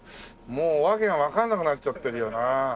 もうわけがわからなくなっちゃってるよな。